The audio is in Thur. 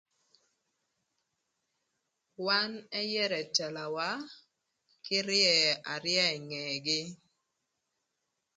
Wan ëyërö ëtëlawa kï ryëö aryëa ï ngegï.